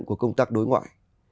của công tác đối ngoại